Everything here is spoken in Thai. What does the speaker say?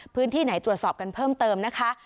พื้นที่ไหนตรวจสอบกันเพิ่มเติมนะคะ